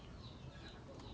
sementara istri lebih ke